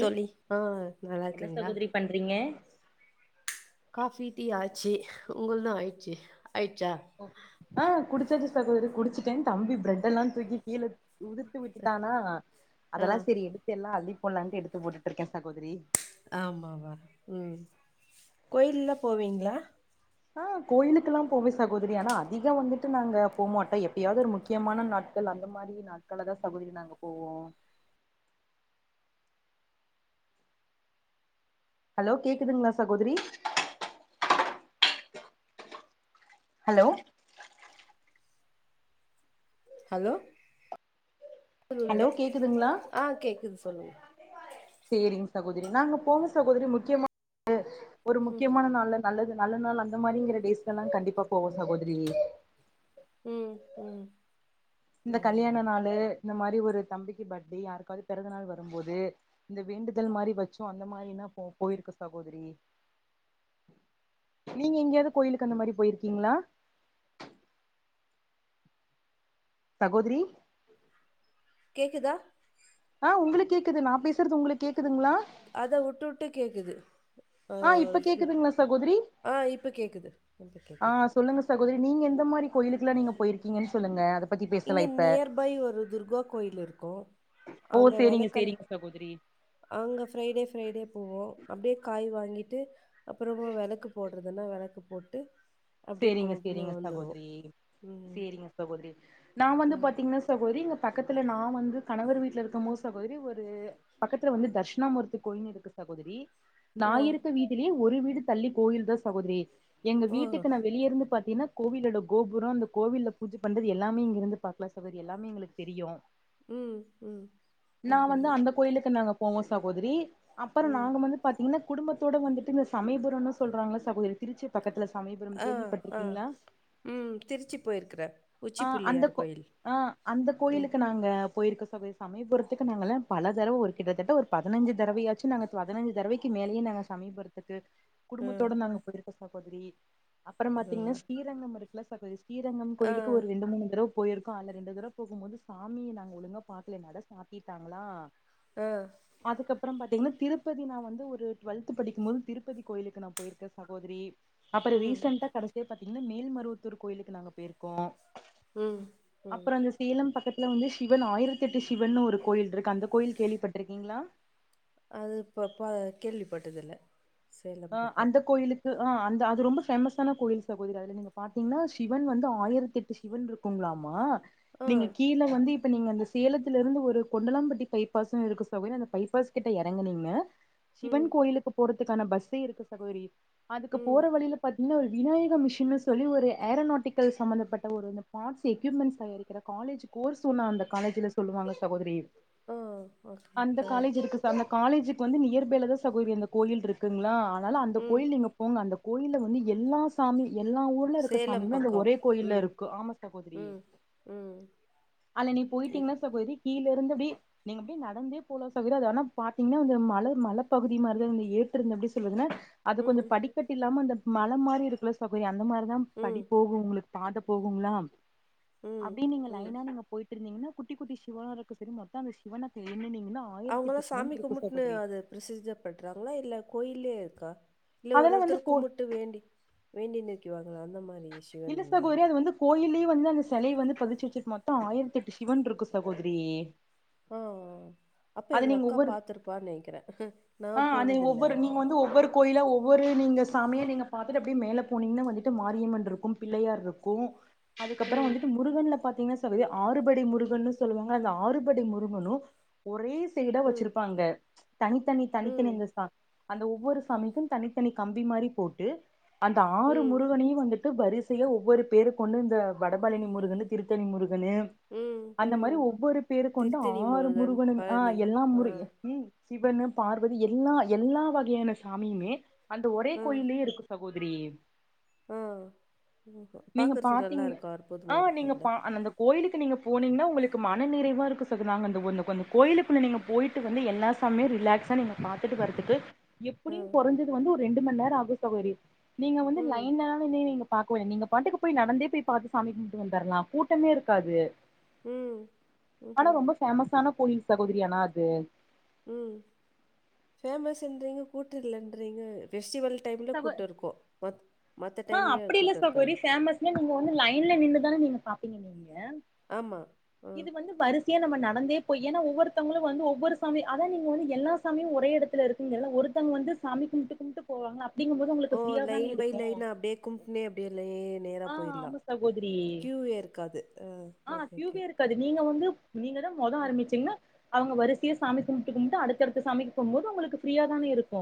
தோழி ஆ நல்லா என்ன இருக்கீங்ளா சகோதரி பண்றீங்க காபி டீ ஆச்சி உங்கள்தோ ஆயிட்ச்சு ஆயிட்சா ஆ குடிச்சாச்சு சகோதரி குடிச்சிட்டே தம்பி பிரெட் எல்லா தூக்கி கீழ கொட்டி விட்டுட்டானா ஆ அதெல்லா செரி எடுத்து எல்லா அள்ளி போட்லான்ட்டு எடுத்து போட்டுட்ருக்கே சகோதரி ஆமாவா ம் கோயில்லா போவீங்ளா ஆ கோயிலுக்கெல்லா போவே சகோதரி ஆனா அதிகோ வந்துட்டு நாங்க போமாட்டோ எப்பயாவது ஒரு முக்கியமான நாட் கள் அந்த மாரி நாட்கள்லதா சகோதரி நாங்க போவோ ஹலோ கேக்குதுங்ளா சகோதரி ஹலோ ஹலோ ஹலோ [unintelligible] கேக்குதுங்களா ஆ கேக்குது சொல்லுங்க செரிங்க சகோதரி நாங்க போனோ சகோதரி முக்கியமானது ஒரு ம் முக்கியமான நாள்ல நல்லது நல்ல நாள் அந்த மாரிங்குற டேஸ்லலா கண்டிப்பா போவோ சகோதிரி ம் ம் இந்த கல்யாண ம் நாள் இந்த மாரி ஒரு தம்பிக்கு பர்டே யாருக்காவது பிறந்த நாள் வரும்போது இந்த வேண்டுதல் மாரி வெச்சோ அந்த மாரி நா போ போயிருக்கோ சகோதுரி நீங்க எங்கேயாவது கோயிலுக்கு அந்த மாரி போயிருக்கீங்களா சகோதிரி கேக்குதா ஆ உங்குளுக்கு கேக்குது நா பேசுறது உங்குளுக்கு கேக்குதுங்களா அத்தா உட்டு உட்டு கேக்குது அ ஆ இப்ப ஒரு ஃப்ளோ கேக்குதுங்களா சகோதரி ஆ இப்ப கேக்குது இப்ப ஆ கேக்குது சொல்லுங்க சகோதரி நீங்க எந்த மாறி கோயிலுக்குல்லா நீங்க போயிருக்கீங்க சொல்லுங்க பத்தி பேசலா இங்க இப்ப நியர் பை ஒரு துர்கா கோயில் இருக்கும் ஓ அங்க சேரிங்க வெளக்கல்ல சேரிங்க சகோதரி அங்க ஃப்ரைடே ஃப்ரைடே போவோ அப்டியே காய் வாங்கிட்டு அப்புறமா விளக்கு போட்றதுன்னா விளக்கு போட்டு அப்டியே சேரிங்க கும்ட்டுனு வந்துருவோ ம் சாகோதரி நா வந்து ம். பாத்தீங்ன்னா சகோதரி இங்க பக்கத்துல நா வந்து கணவர் வீட்ல இருக்கம் போது சகோதரி ஒரு பக்கத்துல வந்து தர்ஷனாமூர்த்தி கோயின்னு இருக்கு சகோதரி நா ஆ. இருக்க வீதிலயே ஒரு வீடு தள்ளி கோயில் தா சகோதரி எங்க ஓ! வீட் வெளிய இருந்து பாத்தீன்னா கோவிலோட கோபுரம் அந்த கோவில்ல பூஜை பண்றது எல்லாமே இங்க இருந்து பாக்கலா சகோதரி எல்லாமே எங்களுக்கு தெரியு ம் ம் நா வந்து ம்ஹ்ஹ்ம். அந்த கோயிலுக்கு நாங்க போவோ சகோதரி ம். அப்பறோ ம் நாங்க வந்து பாத்தீங்கன்னா குடும்பத்தோட வந்துட்டு இந்த சமயபுரம்ன்னு சொல்றாங்கல்ல சகோதரி திருச்சி பக்கத்துல சமயபுரம் ஆ. ஆ. கேள்விப்பட்டிருக்கீங்ளா ம் திருச்சி போயிருக்கிறே ஆ அந்த கோ அ அந்த ம். கோயிலுக்கு நாங்க போயிருக்கோ சகோ சமயபுறத்துக்கு நாங்கல்லா பல தறவ ஒரு கிட்டத்தட்ட ஒரு பதனஞ்சு தறவயாச்சு நாங்க பதினஞ்சு தறவைக்கு மேலயே நாங்க சமயபுறத் தக்கு ஆ. குடும்பத்தோட நாங்க போயிருக்கோ சகோதரி அப்பறம் அதுவா? பாத்தீங்கன்னா ஸ்ரீரங்கம் இருக்குல சகோதரி ஸ்ரீரங்கம் ஆ. கோயிலு ரெண்டு மூணு தறவ போயிருக்கோ அல்ல ரெண்டு தறவ போகும்போது சாமிய நாங்க ஒழுங்கா பாக்கல நடை சாத்திட்டாங்களா அ அதுக்கப்புறம் பாத்தீங்கன்னா திருப்பதி நா வந்து ஒரு டுவெல்த் படிக்கும் போது திருப்பதி கோயிலுக்கு நா போயிருக்கே சகோதரி அப்பறோ ம். ரீசண்டா கடைசியா பாத்தீங்கன்னா மேல்மருவத்தூர் கோயிலுக்கு நாங்க போயிருக்கோ ம். ம். அப்பறோ இந்த சேலம் பக்கத்துல வந்து சிவன் ஆயிரத்தெட்டு சிவன்னு ஒரு கோயில் இருக்கு அந்த கோயில் கேள்விப்பட்டிருக்கீங்களா அது இப்போ பா கேள்விப்பட்டதில்ல சேலம் அ பக்கம். அந்த கோயிலுக் கு அந்த அது ரொம்ப பேமஸான கோயில் சகோதரி அதுல நீங்க பாத்தீங்கன்னா சிவன் வந்து ஆயிரத்தி எட்டு சிவன் இருக் குங்ளாமா ஆ. நீங்க கீழ வந்து இப்ப நீங்க அந்த சேலத்துல இருந்து ஒரு கொண்டலாம்பட்டி பைபாஸ்ன்னு இருக்கு சகோதரி அந்த பைப்பாஸ் கிட்ட இறங்குனீமே சிவன் ம். கோயிலுக்கு போறதுக்கான பஸ்ஸே இருக்கு சகோதரி அதுக்கு ம். போற வழியில பத்தீங்கன்னா ஒரு விநாயக மிஷின்னு சொல்லி ஒரு ஏரோநாட்டிக்கல் சம்பந்தப்பட்ட ஒரு இந்த பாட்ஸ் எக்யூப்மெண்ட்ஸ் தயாரிக்கிற காலேஜ் கோர்ஸ் ஒன்னு அந்த காலேஜுல சொல்லுவாங்க சகோதரி ஆ ஓகே. அந்த ஆ. காலேஜ் இருக்கு அது அந்த காலேஜுக்கு வந்து நியர் ஃபைல தா சகோதரி அந்த கோயில் இருக்குங்ளா அனால அந்த ம். கோயில் நீங்க போங்க அந்த கோயில்ல வந்து எல்லா சாமி எல்லா ஊர்ல இருக்க சேலம் சாமியுமே அந்த பக்கம். ஒரே கோயில்ல ம். இருக்கு ஆமா சகோதரி ம். ம். அல்ல நீ இ- போயிட்டீங்கன்னா சகோதரி கீழ இருந்து அப்டி நீங்க அப்டியே நடந்தே போலா சகோதரி அத ஆனா பாத்தீங்கன்னா அந்த மல மலப் பகுதி மாறிதா இருந் ஏறி திருந்த எப்டி சொல்வதுன்னா அது கொஞ்சோ ம். படிக்கட் இல்லாம அந்த மல மாறி இருக்குல்ல சகோதரி அந்த மாறி தா படி ம். போகும் உங்களுக்கு பாதை போகுங்ளா ம். அப்டியே நீங்க ம். லைனா நீங்க போயிட்டு ட்டு இருந்தீங்கன்னா குட்டி குட்டி சிவனா இருக்கும் சேரி மொத்தோ அந்த சிவன எண்ணுனீங்கன்னா அவுங்கல்லா ஆயிரத்தெட்டு சிவன் சாமி இருக்கு கும்புட்டுன்னு சகோதரி அது பிரசிஜர் பண்றாங்களா இல்ல கோயில்லயே இருக்கா இல்ல ஒரு அதெல்லா வந்து ஒருத்தர் கோ கும்புட்டு வேண்டி வேண்டி நிக்கிவாங்ள அந்த மாரி இல்ல சிவன்னா? சகோதரி அது வந்து கோயில்லயே வந்து அந்த செலய வந்து பதிச்சு வெச்சுருக்கு மொத்தோ ஆயிரத்தி எட்டு சிவன்ருக்கு சகோதரி ஆ ஆ ஆ அப்ப அது எங்க நீங்க அக்கா ஒவ்வொரு பாத்துருப்பான்னு நெனைக்கற ஆ அது ஒவ்வொரு நீங்க வந்து ஒவ்வொரு கோயிலா ஒவ்வொரு நீங்க சாமிய நீங்க பாத்துட்டு அப்டியே மேல போனீங்ன்னா வந்துட்டு மாரியம்மன் இருக்கும் பிள்ளையார் இருக்கு அதுக்கப்றோ ம். வந்துட்டு முருகன்ல பாத்தீங்கன்னா சகோதரி ஆறுபடை முருகன்னு சொல்லுவாங்க அந்த ஆறுபடை முருகனு ஒரே சைடா ம். வச்சிருப்பாங்க தனித்தனி தனித்தனி ம். இந்த சா அந்த ஒவ்வொரு சாமிக்கு தனித்தனி கம்பி மாரி போட்டு அந்த ஆறு ம். முருகனையு வந்து ட்டு வரிசையா ஒவ்வொரு பேரு கொண்டு இந்த வடபழனி முருகன்னு திருத்தணி முருகனு ம் அந்த மாரி ம் ஒவ்வொரு பேரு கொண்ட திருத்தணி ஆறு முருகன் முருகனும் ஆ பழனி எல்லா ஆ முரு எ ம் சிவனு பார்வதி எல்லா எல்லா வகையான சாமியுமே அந்த ஒரே ஆ கோயிலயே இருக்கு சகோதரி ஆ ம் நீங்க பாக்கறதுக்கு நல்லா பாத்தீங்ன்ன இருக்கு ஆ அற்புதமா நீங்க இருக்குல்ல பா அந்தந்த கோயிலுக்கு நீங்க போனீங்கன்னா உங்களுக்கு மன நிறைவா இருக்கு சகோதரி நாங்க அந்த அந்தந்த கோயிலுக்குள்ள நீங்க போயிட்டு வந்து எல்லா சமியு ரிலாக்ஸ் இத்தனயு நீங்க பாத்துட்டு வர்துக்கே ஆ எப்டியு கொறஞ்சது வந்து ஒரு ரெண்டு மணி நேரோ ஆகு சகோதரி நீங்க வந்து ம் லைனா ஒண்ணே நீங்க பாக்வே நீங்க பாட்டுக்கு போய் நடந்தே போய் பாத்து சாமி கூம்புட்டு வந்தர்ல கூட்டமே இருக்காது ம் ம் ம் பேமஸான கோயில் சகோதரி ஆனா அது ம் ஃபேமஸ்ன்றீங்க கூட்டோ இல்லன்றீங்க பெஸ்டிவல் டைம்ல சகோ கூட்டோ இருக்கு மத் மத்த ஆ டைம்ல அப்டி கூட்டோ இருக்காது சகோதரி இல்ல ஃபேமஸ்னா நீங்க வந்து லைன்ல நின்னு தானே நீங்க பாப்பீங்க நீங்க ஆமா ஆ இது வந்து வரிச சயா நம்ம நடந்தே போய் ஏன்னா ஒவ்வொருத்தங்களு வந்து ஒவ்வொரு சாமி அதா நீங்க வந்து எல்லா சாமியு ஒரே எடத்துல இருக் ங்கல்ல ஒருத்தங்க வந்து சாமி கும்புட்டு கும்புட்டு போவாங்க அப்டிங்கும்போது உங்களுக்கு ஃப்ரீயா தானே இருக்கு கும்புட்னே அப்டியே லே நேரா ஆ போய்ர்லா ஆமா சகோதரி கியூவே இருக்காது அ ஓகே ஓகே அது நீங்க வந்து நீங்கதா மொதோ ஆரம்பிச்சீங்ன்னா அவுங்க வரிசைய சாமி கும்புட்டு கும்புட்டு அடுத்தடுத்து சாமிக்கு போகும் போது உங்களுக்கு ஃப்ரீயா தானே இருக்கு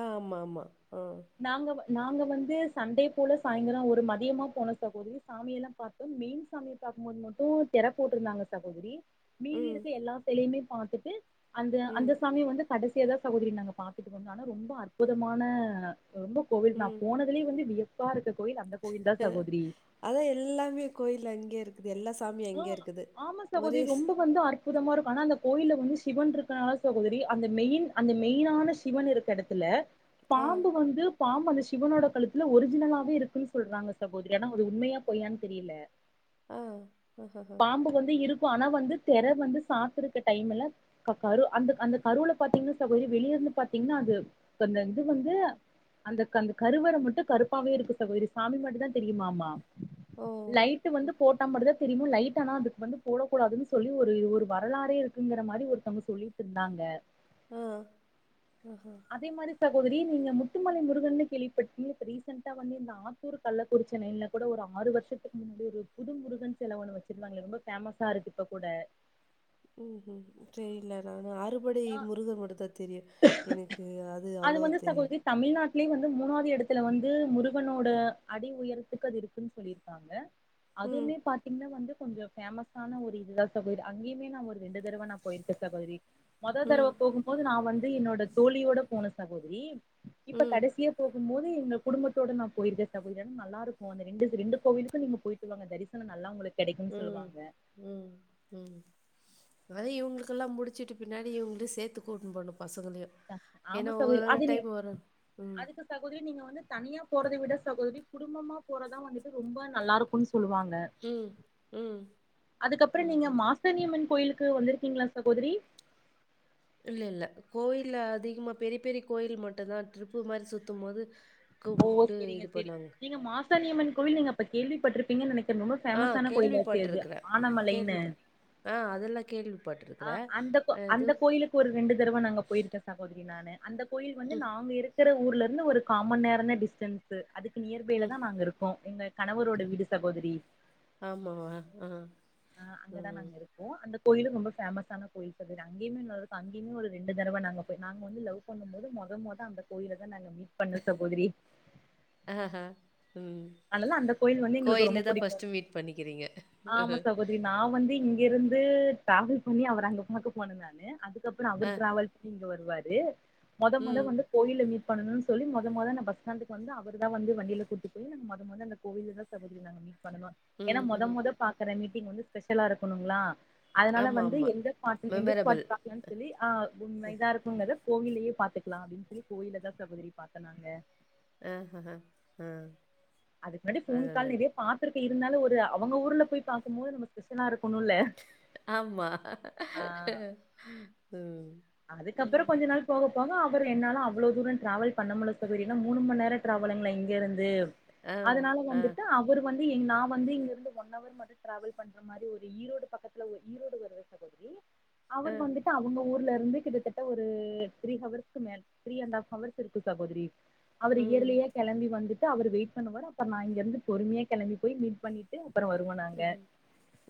ஆமா ஆமா ஆ நாங்க வ நாங்க வந்து சண்டே போல சாய்ங்கலோ ஒரு ஒரு மதியமா போன சகோதரி சாமியெல்லா பாத்தோ மெயின் சாமிய பாக்கும்போது மட்டு தெர போட்ருந்தாங்க சகோதரி மீதி ம் இருக்க எல்லா செலயுமே பாத்துட்டு அந்த ம் அந்த சாமிய வந்து கடைசியதா சகோதரி நாங்க பாத்துட்டு வந்தோ ஆனா ரொம்ப அற்புதமான ரொம்ப கோவில் நா ம் போனது துலய வந்து வியப்பா இருக்க கோயில் அந்த கோயில் தா ம் சகோதரி அதா எல்லாமே கோயில் அங்கே இருக் க்குது எல்லா சாமியு ஆ அங்கயே இருக்குது ஆமா ஒரே சகோதரி ரொம்ப வந்து அற்புதமா இருக்கு ஆனா அந்த கோயில்ல வந்து சிவன் இருக்கனால சகோதரி அந்த மெயின் அந்த மெயினான சிவன் இருக்க எடத் துல ஆ பாம்பு வந்து பாம்பு அந்த சிவனோட கழுத்துல ஒரிஜினலாவே இருக்குன்னு சொல்றாங்க சகோதரி ஆனா அது உண்மையா பொய்யான்னு தெரியல ஆ ஆஹாஹா. பாம்பு வந்து இருக்கு ஆனா வந்து தெற வந்து சாத்தருக்கு டைம் இல்ல க கரு அந்த அந்த கருவுல பாத்தீங்கன்னா சகோதரி வெளிய இருந்து பாத்தீங்ன்னா அது அந்த இது வந்து அந்தக் அந்த கருவற மட்டு கருப்பாவே இருக்கு சகோதரி சாமி மட்டுந்தா தெரியுமாமா ஓ லைட்டு வந்து போட்டா மட்டு தா தெரியுமு லைட்டு ஆனா அதுக்கு வந்து போடக்கூடாதுனு சொல்லி ஒரு ஒரு வரலாறே இருக்குங்கிற மாரி ஒருத்தவ்ங்க சொல்லிக்கிட் ட்ருந்தாங்க ஆ ஆ ஹா அதே மாரி சகோதரி நீங்க முத்துமலை முருகன்னு கேள்விப்பட்ருப்பீங்ள இப்ப ரீசெண்டா வந்து இந்த ஆத் தூர் கள்ளக்குறிச்சி லைன்ல கூட ஒரு ஆறு வர்த்துக்கு முன்னாடி ஒரு புது முருகன் செ செல ஒன்னு வெச்சிருவாங்களே ரொம்ப ஃபேமஸா இருக்கு இப்பக் கூட ம் ம் செரிய்ல நானு அறுபடை முருகன் மட்டுதா தெரியு எனக்கு அது அவ்ளோவா தெரியல தமிழ்நாட்லே வந்து மூணாவ்து எடத்துல வந்து முருகனோட அடி உயரத்துக்கு அது இருக்குன் சொல்லிருக்காங் காங்க ம் அதுவுமே பாத் இன்ன வந்து கொஞ்ச ஃபேமஸான ஒரு இதுதா சகோதரி அங்கேயுமே ஒரு ரெண்டு தடவ நா போயிருக்கே சகோதரி மொத தரவ ம் போகும் போது நா வந்து என்னோட தோழியோட போனே சகோதரி இப்ப ம் கடைசியா போகும் போது எங்க குடும்பத்தோட நா போயிருக்கே சகோதரி ஆனா நல்ல இருக்கு அந்த ரெண்டு ச ரெண்டு கோவிலுக்கு நீங்க போயிட்டு வாங்க தரிச சன நல்லா உங்களுக்கு கெடைக்குன் ம் சொல்லுவாங்க ம் ம் அதா இவ்ங்களூக்கெல்லா முடிச்சுட்டு பின்னாடி இவ்ங்களயு சேத்து கூட்ணு போயிட்ணு பசங்களையு ஆமா ஏனா சகோதரி ஒரு ஒரு அது நீ டைப் வரு ம் அதுக்கு சகோதரி நீங்க வந்து தனியா போறத விட சகோதரி குடும்பமா போறதுதா வந்துட்டு ரொம்ப நல்லாருக்குன் சொல்லுவாங்க ம் ம் அதுக்கப்பற நீங்க ம்ஹ்ம். மாசானியம்மன் கோயிலுக்கு வந்திருக்கீங்களா சகோதரி இல்ல இல்ல கோயில்ல அதிகமா பெரிய பெரிய கோயில் மட்டுந்தா ட்ரிப்பு மாரி சுத்தும் போது கும்புட்டு இது பண்ணாங்க சானியம்மன் கோவில் நீங்க அப்ப கேள்விப்பட்ருப்பீங்கன் நெனைக்கிறே ரொம்ப ஆ ஃபேமஸான கோயிலாச்சே அது கேள்விப்பட்டுருக்கிறேன். ஆனமலைன்னு கேள்விப்பட் ஆ அதெல்லா கேள்வி ஆ அந்த கோ அந்த கோயிலுக்கு ஒரு ரெண்டு தரவ நாங்க போயிருக்க ச சகோதரி நானு அந்த கோயில் வந்து நாங்க இருக்கிற ஊர்லருந்து ஒரு காமண் நேரந்தா டிஸ்டன்ஸ் ஸு அதுக்கு நியர்பைல ம். தா நாங்க இருக்கோ எங்க கணவரோட வீடு சகோதரி ஆமாவா ஆ ஆ அங்கதா ம். நாங்க இருக் கோ அந்த கோயிலு ரொம்ப ஃபேமஸான கோயில் சகோதரி அங்கேயுமே இன்னொருதிருப்பு அங்கேயுமே ஒரு ரெண்டு தரவ நாங்க போய் நாங்க வந்து லவ் பண்ணும் போது மொத மொத அந்த கோயில்லதா நாங்க மீட் பண்ணோ சகோதரி ஆ ஹா ம் அதனால அந்த கோயில் வந்து எங்களுக்கு கோயில்ல ரொம்ப தா புடிக்கு ஃபஸ்ட்டு மீட் பண்ணிக்கிறீங்க நான் வந்து இங்கெருந்து டிராவல் பண்ணி அவர அங்க பாக்க போனே நானு அதுக்கப்பற ஆ. அவர் டிராவல் பண்ணி இங்க வருவாரு மொத மொத ம். வந்து கோயில்ல மீட பண்ணணுன் சொல்லி மொத மொத நா பஸ் ஸ்டாண்டுக்கு வந்து அவரு தா வந்து வண்டில கூட்டுப் போயி நாங்க மொத் த மொத அந்த கோயில்லதா சகோதரி நாங்க மீட் பண்ணுனோ ஏனா மொத ம்ஹ்ம். மொதல் பாக்குற மீட்டிங் வந்து ஸ்பெஷலா இருக்கணுங்ளா அதனால வந்து ஆமாமா. எந்த பாட்டு எந்த மெமரபிள். ஸ்பாட்டு பாக்கலான் சொல்லி ஆ உண்மைதா இருக் குங்கிறத கோவில்லயே பாத்துக்கலா அப்டின் சொல்லி கோயில்ல தா சகோதரி பாத்த நாங்க ஆ ஹ ஹ ஆ அதுக்கு முன்னாடி அது ஃபோன் கால் நல்லது. நெறையா பாத்துருக்கே இருந்தாலு ஒரு அவங்க ஊர்ல போய் பாக்கும் போது நம்ம ஸ்பெஷலா இருக்கணுல்ல ஆமா ம் அதுக்கப்பற ம். கொஞ்ச நாள் போக போக அவரு என்னால அவ்ளோ தூரோ டிராவல் பண்ண முடில சொல்லி ஏன்னா மூணு மணீ நேரோ டிரவலிங்களா இங்க இருந்து ஆ, அதுனால ஆ, வந்துட்டு அவ ரு வந்து நா வந்து இங்கிருந்து ஒன் அவர் மட்டு டிராவல் பண்ற மாரி ஒரு ஈரோடு பக்கத்துல ஒரு ஈரோடு வரு ஆ. அவர் வந்துட்டு அவங்க ஊர்ல இரு வந்து கிட்டத்தட்ட ஒரு த்ரீ ஹவர்ஸ்கு மே த்ரீ அண்ட் ஹாப் ஹர்ஸ் இருக்கு சகோதரி அவரு ம். இயர்லியா கெளம்பி வந்துட்டு அவரு வெயிட் பண்ணுவாரு அப்றோ நா இங்க இருந்து பொறுமையா கெளம்பி போய் மீட் பண்ணிட் டு அப்றோ வருவோ நாங்க ம்.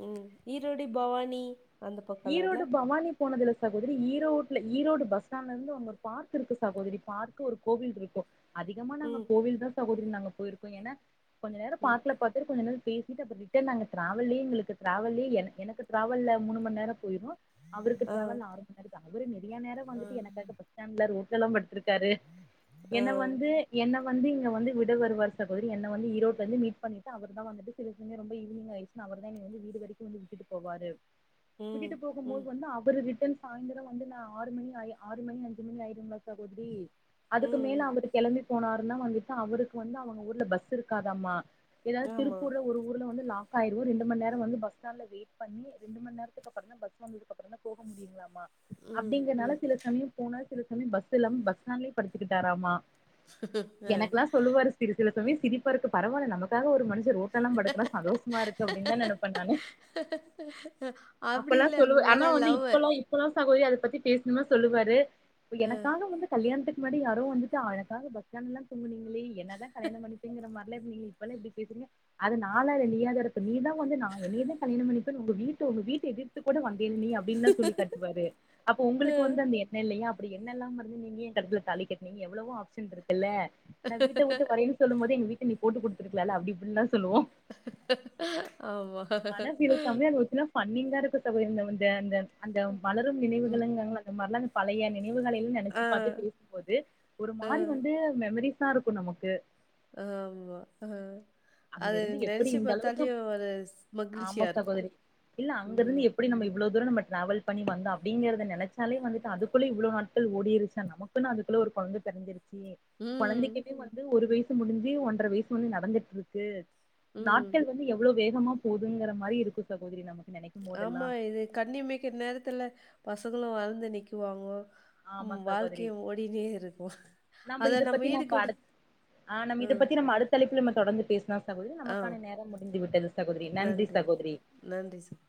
ம் ஈரோடி பவானி அந்த பக்கம்லாம் இல்ல? ஈரோடு பவானி போனதில்ல சகோதரி ஈரோட்ல ஈரோடு பஸ் ஸ்டாண்ட்ல இருந்து அங்க ஒரு பார்க் இருக்கு சகோதரி பார்க் ஒரு கோவில் இருக்கு அதிகமா நாங்க ம். கோவில் தா சகோதரி நாங்க போயிருக்கோ ஏன்னா கொஞ்ச நேரோ ம். பார்க்ல பாத்துட்டு கொஞ்ச நேர பே ட்டு அப் ரிட்டன் நா டிராவல்லயே எங்களுக்கு டிராவலல்லயே எனக்கு டிராவல்ல மூணு மண் நேரோ போயிறு அவருக்கு ஆ, டிராவல் ஆறு மணி நேர அவரு நெறைய நேர ஆ, வந்துட்டு எனக்காக பஸ் ஸ்டாண்ட்ல ரோட்ல எல்லா படுத்து க்காரு ஆ. என்ன வந்து என்ன வந்து இங்க வந்து விட வருவார் சகோதரி என்ன வந்து ஈரோட் வந்து மீட் பண்ணிட்டு அவர்தா வந்துட்டு சில சமயோ ரொம்ப ஈவ்னிங் ஆயிச்சுனா அவர் தா என்னய வந்து வீடு வரைக்கு வந்து விட்டு போவாரு ம். விட்டுட்டு ம். போகும்போது வந்து அவரு ரிட்டர்ன் சாயந்திரோ வந்து நா ஆறு மணி ஆறு மணி அஞ்சு மணி ஆயிருங்களா சகோதரி அதுக்கு ம். மேல அவருக் கெளம்பி போனாரு வந்துட்டு அவருக்கு வந்து அவங்க ஊர்ல பஸ் இருக்காதாமா ஏதாது ஆமா. திருப்பூர்ல ஒரு ஊர் வந்து லாக் ஆயி ரெண்டு மண் நேரோ வந்து பஸ் ஸ்டேண்ட்ல வெயிட் பண்ண ரெண்டு மண் நேர க்கு அப்றோ தா பஸ் வந்ததுக்கு அப்றோதா போக முடியுங்களாமா ம். அப்டிங்கறனால ம். சில சமய போன சில சமயம் பஸ் இல்லாம பஸ் ஸ்டேண்ட்லய படுத்திக்கிட்டாராமா ஆ. எனக்குல்லா சொல்லுவாரு ச சில சமய சிரிப்பா இருக்கு பரவால்ல நமக்காக ஒரு மனுஷ ரோட்ட எல்லா படுக்கரா சந்தோஷமா இருக்கு அப்டின்னு தா நெனப்பே நானு அப்டி இல்ல உங்க மேல லவ்வு இப்பெல்லா சகோதரி அத பத்தி பேசணுமா சொல்லுவாரு ஆ. எனக்காக வந்து கல்யாணத்துக்கு முன்னடி யாரோ வந்துட்டு எனக்காக பஸ்சோண்டல்லா தூங்குனிங்களே என்ன தா கல்யாணம் பண்ணிப்பிங்க இப்பலா இப்டி பேசறீங்க அது நால்லா இல்ல நீயாதா நீதா வந்து என்னிய தா கல்யாண பண்ணிப்பனு உங்க வீட்ல உங்க வீட்ட எதிர்த்து கூட வந்தேலன நீ அப்டின்னு சொல்லி காட்டுவாரு அப்ப உங்களுக்கு வந்து அந்த இல்லயா அப்டி என்னெல்லாம இருந்தா நீங்கயே ஏ கழுத்துல தாலி கட்டினீங்க எவ்ளவோ ஆப்ஷன் இருக்குல்ல நா வீட்ட விட்டு வரேன்னு சொல்லும் போதே எங்க வீட்ல நீ போட்டு குடுத்துருக்கலால அப்டி இப்டில்லா சொல்லுவோ ஆமா நீங்க தான சகோதரி [unintelligible] அந்த மலரும் ம். நினைவுகள் இம்பாங்கல்ல அந்த மாரி பழைய நினைவுகளை ஆ, நெனைச்சு பாத்த பேசும்போது ஒரு ஆ, மாரி வந்து மெமரிஸ்ஸா இருக்கு நமக்கு ஆமா அ அங்க அது இருந்து எப்டி நெனைச்சு இந்த அளவுக்கு பாத்தாலே ஒரு ஆமா மகிழ்ச்சியா இருக்கு சகோதரி இல்ல அங்க ம் இருந்து எப்டி நம்ம இவ்ளோ தூரோ டிராவல் பண்ணி வந்த அப்டிங்கறத நெனைச்சாலே வந்துட்டு அதுக்குள்ள இவ்ளோ நாட்கள் ஓடிடுச்சா நமக்கு அதுக்குள்ள ஒரு கொழந்த பெறந்திருச்சு ம். கொழந்தைக்குமே ம். வந்து ஒரு வயசு ஒரு வயசு முடிஞ்சு ஒன்றர வயசு வந்து நடந்துட்டு இருக்கு ம். நாட்கள் வந்து எவ்ளோ வேகமா போகுதுங்கிற மாரி இருக்கு சகோதரி நமக் ஆமா இது கண்ணிமைக்கு நேரத்துல பசங்களு வளந்து நிக்குவாங்கோ ஆமா ம் வாழ்க்கு சகோதரி ஓடினே இருக்கு அத இத பத்தி நம்ம ஈடு குடு அடுத் ஆ நம்ம இத பத்தி நம்ம அடுத் லைப்புல நம்ம தொடர்ந்து பேசனா சகோதரி ஆ. நமக்கான நேரம் முடிந்து விட்டது சகோதரி நன்றி சகோதரி நன்றி சகோ